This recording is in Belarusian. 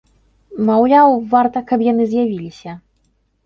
Маўляў, варта, каб яны з'явіліся.